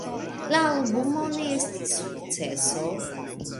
La albumo ne estis sukceso.